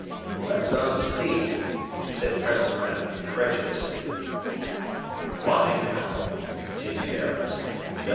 "Let us see," said Percerin, incredulously. "Why, now," continued Aramis, "does M.